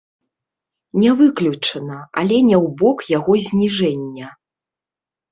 Не выключана, але не ў бок яго зніжэння.